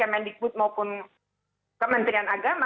kemendikbud maupun kementerian agama